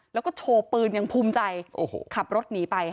แล้วก็โชว์ปืนยังภูมิใจขับรถหนีไป